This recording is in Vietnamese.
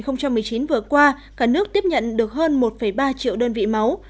năm hai nghìn một mươi chín vừa qua cả nước tiếp nhận được hơn một ba triệu đơn vị máu